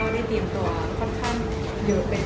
แล้วก็ได้เตรียมตัวค่อนข้างเยอะเป็นค่ะ